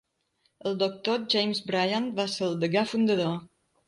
El doctor James Bryant va ser el degà fundador.